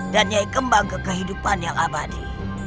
dan nyai kembang ke kehidupan yang abadi